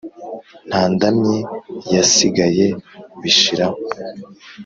Nta ndamyi yasigaye bishiraho!